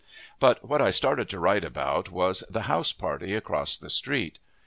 But what I started to write about was the house party across the street.